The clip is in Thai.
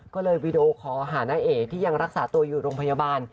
ก็เลยวีดีโอคอหาน้าเอ๋ที่ยังรักษาตัวอยู่โรงพยาบาล